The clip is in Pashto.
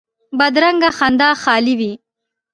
بدرنګه خندا خالي وي